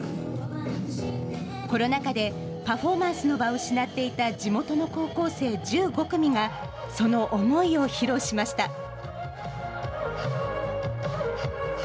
コロナ禍でパフォーマンスの場を失っていた地元の高校生１５組が、その思いを披露しました。